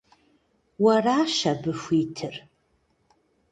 Уэращ абы хуитыр.